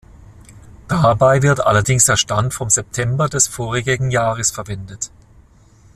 Dabei wird allerdings der Stand vom September des vorjährigen Jahres verwendet.